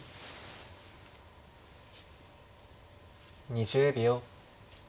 ２０秒。